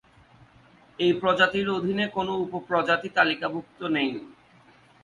এই প্রজাতির অধীনে কোন উপ-প্রজাতি তালিকাভুক্ত নেই।